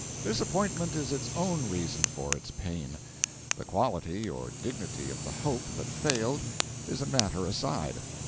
Disappointment is its own reason for its pain: the quality or dignity of the hope that failed is a matter aside.